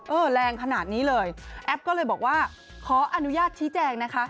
แรงขนาดนี้เลยแอปก็เลยบอกว่าขออนุญาตชี้แจงนะคะ